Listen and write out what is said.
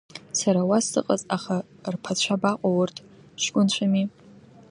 Сара уа сыҟаз, аха рԥацәа абаҟоу, урҭ ҷкәынцәами?